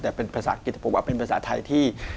แต่เป็นภาษาอังกฤษผมว่าเป็นภาษาไทยที่